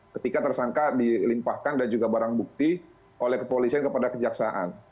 ketika tersangka dilimpahkan dan juga barang bukti oleh kepolisian kepada kejaksaan